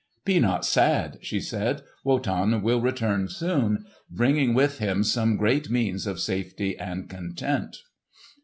"Be not sad," she said. "Wotan will return soon, bringing with him some great means of safety and content."